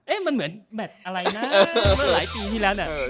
มันเหมือนแมทอะไรนะเมื่อหลายปีที่แล้วนะ